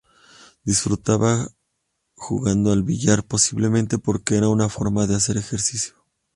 Disfrutaba jugando al billar, posiblemente porque era una forma de hacer ejercicio.